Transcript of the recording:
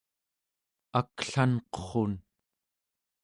aklanqurrun